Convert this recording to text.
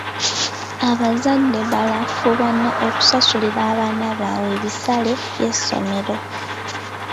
Abazadde balafuubana okusasulira abaana baabwe ebisale by'essomero.